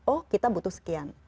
oh kita butuh sekian